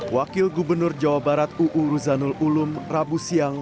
wakil gubernur jawa barat uu ruzanul ulum rabu siang